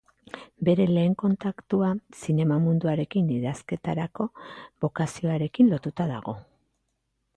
Bere lehen kontaktua zinema munduarekin idazketarako bokazioarekin lotuta dago.